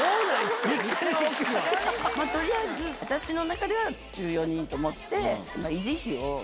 取りあえず私の中では１４人と思って。